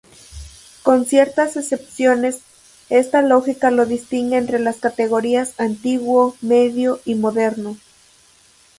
Con ciertas excepciones, esta lógica lo distingue entre las categorías antiguo, medio y moderno.